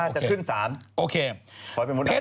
ถ้าจะขึ้นศาลขอให้เป็นมดับนะครับ